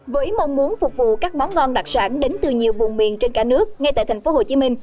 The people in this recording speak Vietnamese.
với mong muốn phục vụ các món ngon đặc sản đến từ nhiều vùng miền trên cả nước ngay tại tp hcm